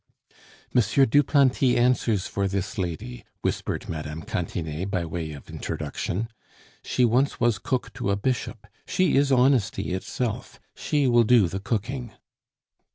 "M. Duplanty answers for this lady," whispered Mme. Cantinet by way of introduction. "She once was cook to a bishop; she is honesty itself; she will do the cooking."